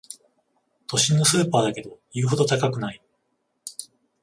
都心のスーパーだけど言うほど高くない